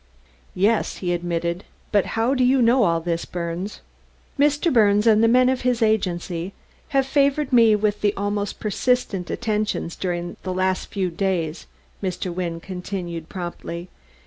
"Yes," he admitted; "but how do you know all this, Birnes?" "Mr. Birnes and the men of his agency have favored me with the most persistent attentions during the last few days," Mr. Wynne continued promptly.